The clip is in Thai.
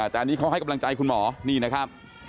แต่อันนี้เขาให้กำลังใจคุณหมอนี่นะครับ